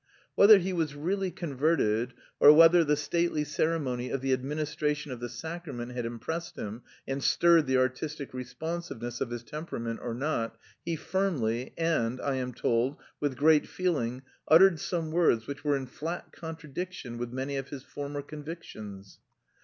Whether he was really converted, or whether the stately ceremony of the administration of the sacrament had impressed him and stirred the artistic responsiveness of his temperament or not, he firmly and, I am told, with great feeling uttered some words which were in flat contradiction with many of his former convictions.